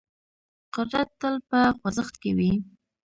قدرت تل په خوځښت کې وي.